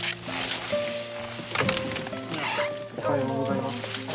おはようございます。